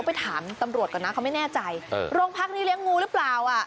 ไปถามตำรวจก่อนนะเขาไม่แน่ใจโรงพักนี้เลี้ยงงูหรือเปล่าอ่ะ